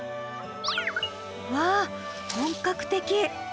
わあ本格的！